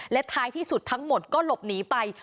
และท้ายที่สุดทั้งหมดก็หลบหนีไป